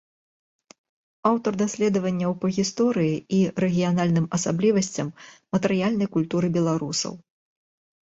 Аўтар даследаванняў па гісторыі і рэгіянальным асаблівасцям матэрыяльнай культуры беларусаў.